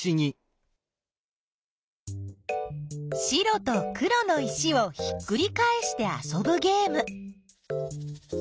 白と黒の石をひっくりかえしてあそぶゲーム。